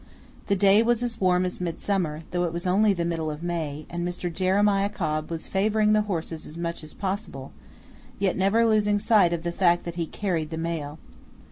The day was as warm as midsummer, though it was only the middle of May, and Mr. Jeremiah Cobb was favoring the horses as much as possible, yet never losing sight of the fact that he carried the mail.